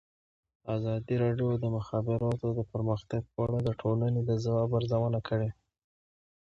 ازادي راډیو د د مخابراتو پرمختګ په اړه د ټولنې د ځواب ارزونه کړې.